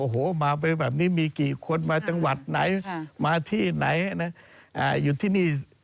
โอ้โหมาเป็นแบบนี้มีกี่คนมาจังหวัดไหนมาที่ไหน